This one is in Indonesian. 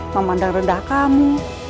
memandang rendah kamu